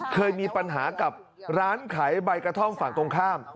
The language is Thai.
เคยมีปัญหากับร้านขายใบกระท่อมฝั่งตรงข้าม